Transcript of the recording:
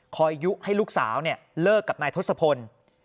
คอยยุ่งให้ลูกสาวเนี่ยเลิกกับนายทศพล